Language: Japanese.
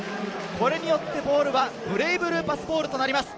これによってボールがブレイブルーパスボールとなります。